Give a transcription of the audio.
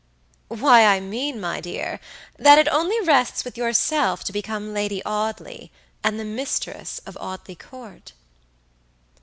"Why, I mean, my dear, that it only rests with yourself to become Lady Audley, and the mistress of Audley Court."